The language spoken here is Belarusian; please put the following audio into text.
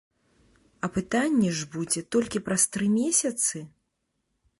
Апытанне ж будзе толькі праз тры месяцы?